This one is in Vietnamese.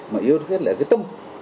mà yếu trước hết là cái tâm